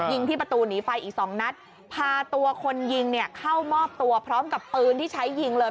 ยิงที่ประตูหนีไฟอีกสองนัดพาตัวคนยิงเนี่ยเข้ามอบตัวพร้อมกับปืนที่ใช้ยิงเลย